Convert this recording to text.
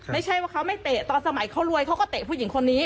ไม่ใช่ว่าเขาไม่เตะตอนสมัยเขารวยเขาก็เตะผู้หญิงคนนี้